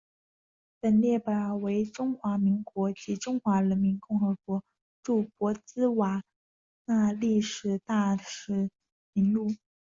本列表为中华民国及中华人民共和国驻博茨瓦纳历任大使名录。